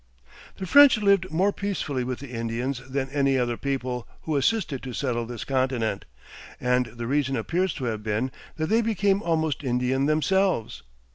The French lived more peacefully with the Indians than any other people who assisted to settle this continent, and the reason appears to have been that they became almost Indian themselves.